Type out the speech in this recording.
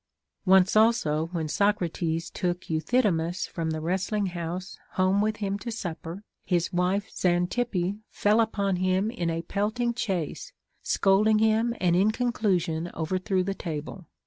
Once also when Socrates took Euthydemus from the wrest ling house home with him to supper, his wife Xanthippe fell upon him in a pelting cliase, scolding him, and in con clusion overthrew the table.